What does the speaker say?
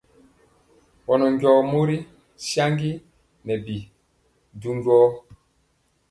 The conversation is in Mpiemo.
Bɔɔnjɔɔ mori saŋgi nɛ bi du njɔɔ.